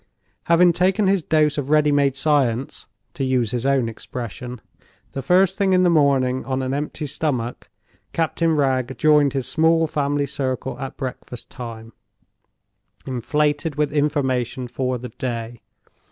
Having taken his dose of ready made science (to use his own expression) the first thing in the morning on an empty stomach, Captain Wragge joined his small family circle at breakfast time, inflated with information for the day.